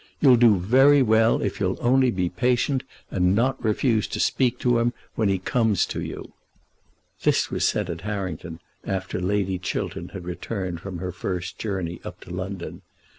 You'll do very well if you'll only be patient, and not refuse to speak to him when he comes to you." This was said at Harrington after Lady Chiltern had returned from her first journey up to London.